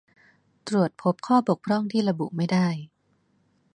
ตรวจพบข้อบกพร่องที่ระบุไม่ได้